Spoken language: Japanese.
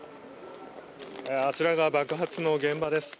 あちらが爆発の現場です。